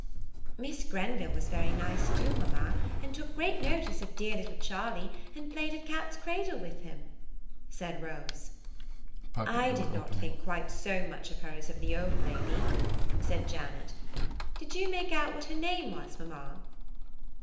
"Miss Grenville was very nice, too, mamma, and took great notice of dear little Charlie, and played at cat's cradle with him," said Rose. "I did not think quite so much of her as of the old lady," said Janet. "Did you make out what her name was, mamma?"